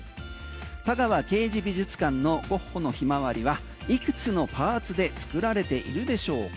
田川啓二美術館のゴッホの「ひまわり」はいくつのパーツで作られているでしょうか？